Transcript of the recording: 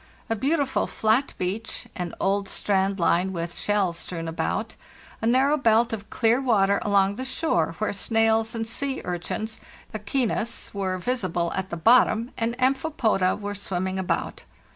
A beauti ful flat beach, an old strand line with shells strewn about, a narrow belt of clear water along the shore, where snails and sea urchins (/cfzzus) were visible at the bottom and amphipoda were swimming about.